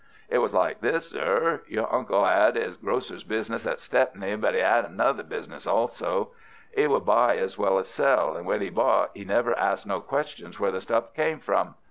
"It was like this, sir. Your uncle 'ad 'is grocer's business at Stepney, but 'e 'ad another business also. 'e would buy as well as sell, and when 'e bought 'e never asked no questions where the stuff came from.